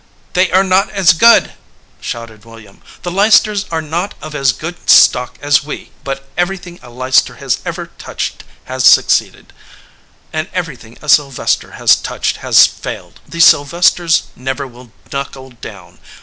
"They are not as good," shouted William. "The Leicesters are not of as good stock as we; but everything a Leicester has ever touched has suc ceeded, and everything a Sylvester has touched has failed. The Sylvesters never will knuckle down.